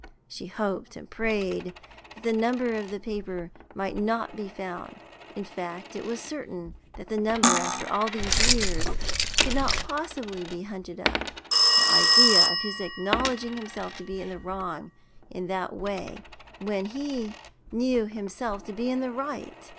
She hoped and prayed the number of the paper might not be found! In fact, it was certain that the number, after all these years, could not possibly be hunted up. The idea of his acknowledging himself to be in the wrong in that way, when he knew himself to be in the right!